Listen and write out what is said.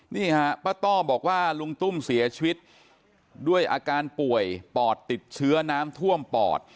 นี่ฮะป้าต้อบอกว่าลุงตุ้มเสียชีวิตด้วยอาการป่วยปอดติดเชื้อน้ำท่วมปอด